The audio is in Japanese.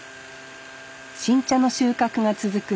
新茶の収獲が続く